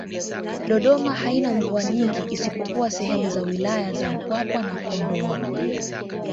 Dodoma haina mvua nyingi isipokuwa sehemu za wilaya za Mpwapwa na Kondoa